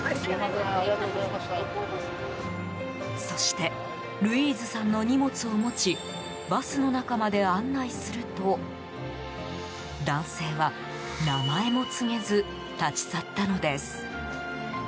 そしてルイーズさんの荷物を持ちバスの中まで案内すると男性は、名前も告げず立ち去ったのです。